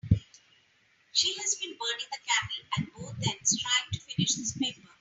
She has been burning the candle at both ends trying to finish this paper.